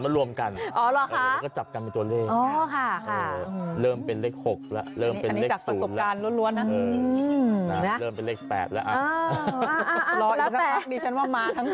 ดูไม่ออกว่าเป็นตัวเลขอะไรเลย